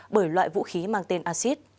bởi loại vũ khí mang tên acid